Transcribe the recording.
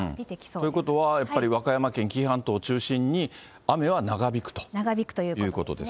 ということは、やっぱり和歌山県紀伊半島を中心に、雨は長引くということですね。